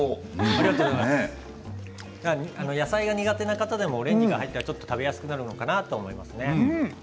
野菜が苦手な方もオレンジが入っていたらちょっと食べやすくなるのかなと思いますね。